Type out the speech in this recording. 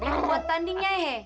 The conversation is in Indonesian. buat tandingnya hei